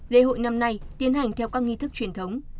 lễ hội năm nay tiến hành theo các nghi thức truyền thống